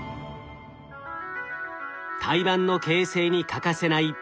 胎盤の形成に欠かせないＰＥＧ１０。